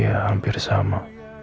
ya hampir sama